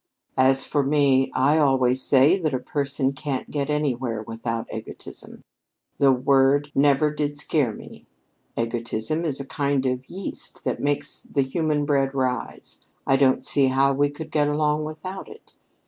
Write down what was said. "As for me, I always say that a person can't get anywhere without egotism. The word never did scare me. Egotism is a kind of yeast that makes the human bread rise. I don't see how we could get along without it.